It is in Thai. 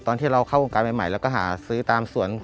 ตอนที่เราเข้าวงการใหม่เราก็หาซื้อตามสวน